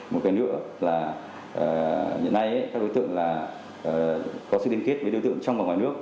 một cái nữa là hiện nay các đối tượng là có sự liên kết với đối tượng trong và ngoài nước